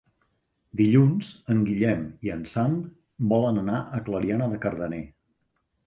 Dilluns en Guillem i en Sam volen anar a Clariana de Cardener.